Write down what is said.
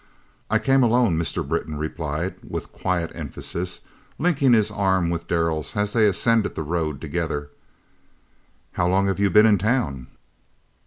"I came alone," Mr. Britton replied, with quiet emphasis, linking his arm within Darrell's as they ascended the road together. "How long have you been in town?"